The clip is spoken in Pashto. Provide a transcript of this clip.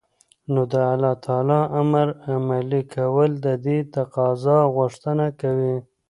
نو دالله تعالى امر عملي كول ددې تقاضا او غوښتنه كوي